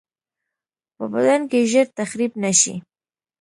په بدن کې ژر تخریب نشي.